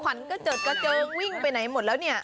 ขวันเยอร์เกษอเกิงวิ่งไปไหนหมดแล้วนี่